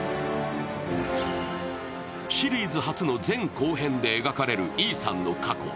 シリーズ初の前後編で描かれるイーサンの過去。